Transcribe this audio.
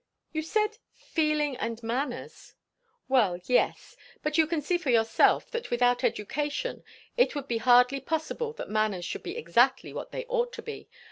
"You said, 'feeling and manners.'" "Well, yes. But you can see for yourself, that without education it would be hardly possible that manners should be exactly what they ought to be.